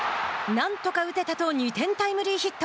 なんとか打てたと２点タイムリーヒット。